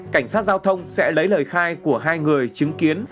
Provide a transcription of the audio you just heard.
cảnh sát giao thông sẽ lấy lời khai của hai người chứng kiến